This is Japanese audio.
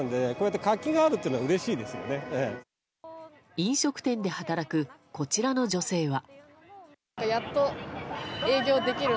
飲食店で働くこちらの女性は。